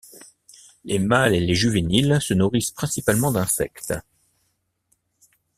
Les mâles et les juvéniles se nourrissent principalement d'insectes.